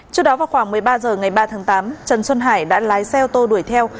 trước đó vào khoảng một mươi ba h ngày ba tháng tám trần xuân hải đã lái xe ô tô đuổi theo